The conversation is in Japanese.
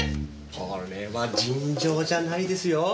これは尋常じゃないですよ！